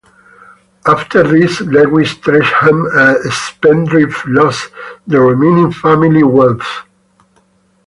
After this, Lewis Tresham, a spendthrift, lost the remaining family wealth.